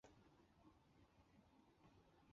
坐在厨房的门边